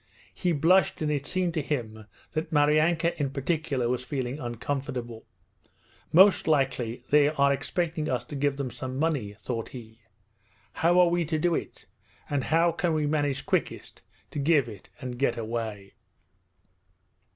He blushed, and it seemed to him that Maryanka in particular was feeling uncomfortable. 'Most likely they are expecting us to give them some money,' thought he. 'How are we to do it? And how can we manage quickest to give it and get away?'